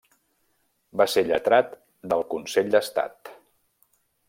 Va ser lletrat del Consell d'Estat.